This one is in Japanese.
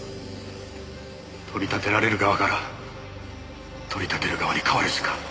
取り立てられる側から取り立てる側に変わるしか。